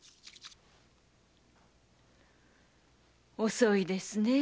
遅いですね